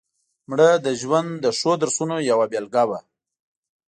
مړه د ژوند ښو درسونو یوه بېلګه وه